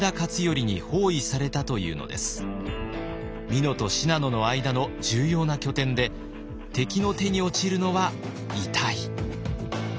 美濃と信濃の間の重要な拠点で敵の手に落ちるのは痛い。